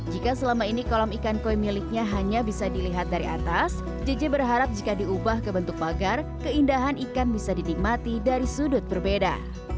jika selama ini kolam ikan koi miliknya hanya bisa dilihat dari atas jj berharap jika diubah ke bentuk pagar keindahan ikan bisa dinikmati dari sudut berbeda